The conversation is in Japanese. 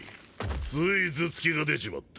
つい頭突きが出ちまった。